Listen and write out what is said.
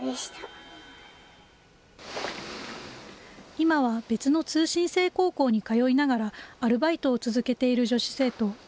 今は別の通信制高校に通いながらアルバイトを続けている女子生徒。